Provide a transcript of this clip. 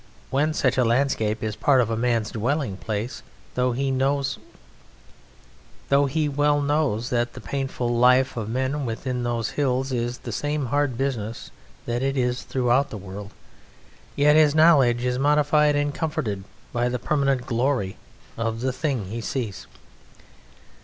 When such a landscape is part of a man's dwelling place, though he well knows that the painful life of men within those hills is the same hard business that it is throughout the world, yet his knowledge is modified and comforted by the permanent glory of the thing he sees.